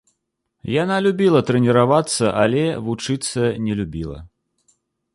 Яна любіла трэніравацца, але вучыцца не любіла.